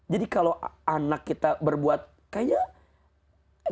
jadi kalau anak kita berbuat kayaknya